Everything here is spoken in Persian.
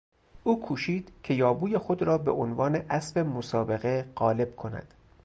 او کوشید که یابوی خود را به عنوان اسب مسابقه قالب کند.